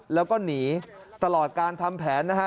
แล้วก็หนีตลอดการทำแผนนะฮะ